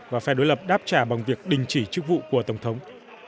và phe đối lập đáp trả bằng việc đình chỉ chức vụ của tổng thống